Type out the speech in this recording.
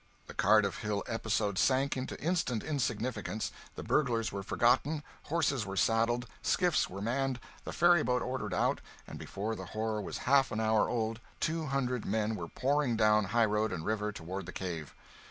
The Cardiff Hill episode sank into instant insignificance, the burglars were forgotten, horses were saddled, skiffs were manned, the ferryboat ordered out, and before the horror was half an hour old, two hundred men were pouring down highroad and river toward the cave.